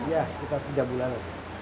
iya sekitar tiga bulan